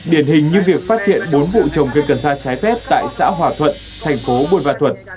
điển hình như việc phát hiện bốn vụ trồng cây cần xa trái phép tại xã hòa thuận thành phố buôn văn thuận